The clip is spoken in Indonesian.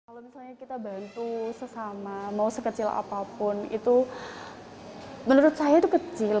kalau misalnya kita bantu sesama mau sekecil apapun itu menurut saya itu kecil